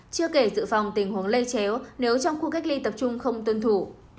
chưa kể sự phòng tình huống lây chéo nếu trong khu cách ly tập trung không tuân thủ